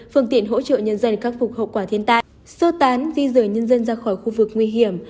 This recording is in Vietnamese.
phương tiện hỗ trợ nhân dân khắc phục hậu quả thiên tai sơ tán di rời nhân dân ra khỏi khu vực nguy hiểm